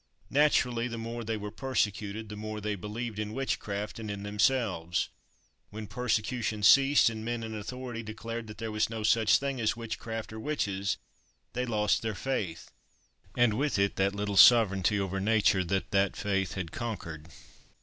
Naturally, the more they were persecuted the more they believed in witchcraft and in themselves; when persecution ceased, and men in authority declared that there was no such thing as witchcraft or witches, they lost their faith, and with it that little sovereignty over nature that that faith had conquered.